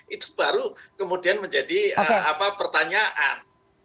itu baru kemudian menjadi pertanyaan